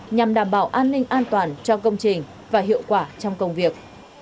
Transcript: nhằm đảm bảo an ninh an toàn cho công trình và hiệu quả trong công việc